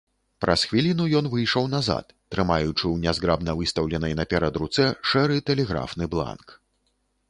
Праз хвіліну ён выйшаў назад, трымаючы ў нязграбна выстаўленай наперад руцэ шэры тэлеграфны бланк.